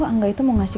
aku gak mengerti